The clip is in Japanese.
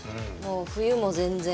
冬も全然。